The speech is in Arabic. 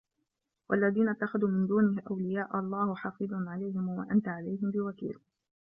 وَالَّذينَ اتَّخَذوا مِن دونِهِ أَولِياءَ اللَّهُ حَفيظٌ عَلَيهِم وَما أَنتَ عَلَيهِم بِوَكيلٍ